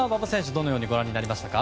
どのようにご覧になりましたか。